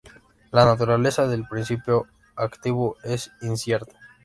La naturaleza del principio activo es incierta.